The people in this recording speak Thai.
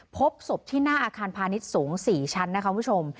พบศพที่หน้าอาคารพาณิชย์สูง๔ชั้นนะคะคุณผู้ชม